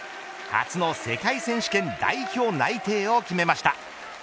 初の世界選手権代表内定を決めました。